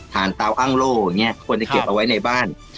เตาอ้างโล่อย่างนี้ควรจะเก็บเอาไว้ในบ้าน